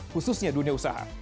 khususnya dunia usaha